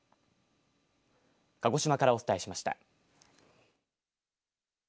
鹿児島からお伝えしました。